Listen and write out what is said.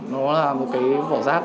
nó là một cái vỏ rác